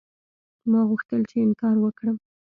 ما غوښتل چې انکار وکړم.